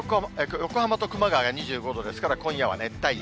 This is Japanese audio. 横浜と熊谷２５度ですから、今夜は熱帯夜。